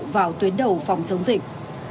vào tuyến đầu phòng chống dịch